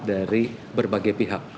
dari berbagai pihak